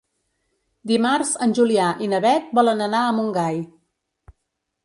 Dimarts en Julià i na Beth volen anar a Montgai.